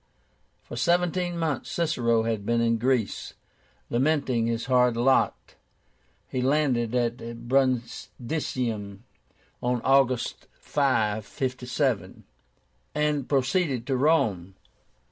For seventeen months Cicero had been in Greece, lamenting his hard lot. He landed at Brundisium on August 5, 57, and proceeded to Rome.